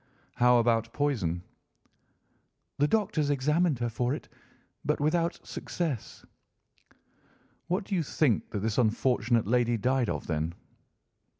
"How about poison?" "The doctors examined her for it, but without success." "What do you think that this unfortunate lady died of, then?"